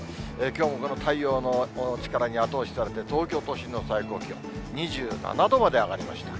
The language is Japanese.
きょうもこの太陽の力に後押しされて、東京都心の最高気温２７度まで上がりました。